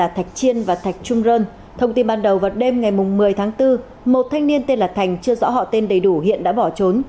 trên ngày một mươi tháng bốn một thanh niên tên là thành chưa rõ họ tên đầy đủ hiện đã bỏ trốn